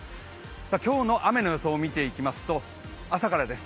今日の雨の予想を見ていきますと朝からです。